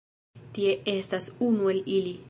Tie estas unu el ili